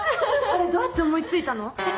あれどうやって思いついたの？